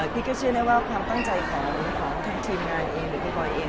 พี่ก็เชื่อได้ว่าความตั้งใจของทางทีมงานเองหรือพี่บอยเอง